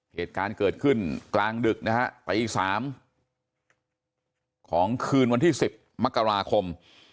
เหตุการณ์เกิดขึ้นกลางดึกนะฮะตี๓ของคืนวันที่๑๐มกราคม